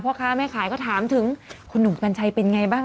พ่อค้าแม่ขายก็ถามถึงคุณหนุ่มกัญชัยเป็นไงบ้าง